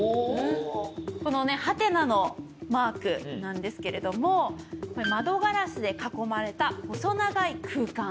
このはてなのマークなんですけれども窓ガラスで囲まれた細長い空間